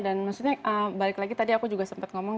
dan maksudnya balik lagi tadi aku juga sempat ngomong